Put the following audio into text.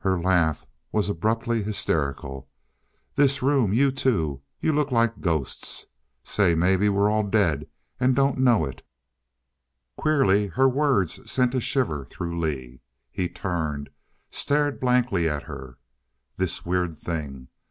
Her laugh was abruptly hysterical. "This room you two you look like ghosts. Say, maybe we're all dead an' don't know it." Queerly her words sent a shiver through Lee. He turned, stared blankly at her. This weird thing!